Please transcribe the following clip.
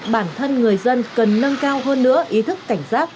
bản thân người dân cần nâng cao hơn nữa ý thức cảnh giác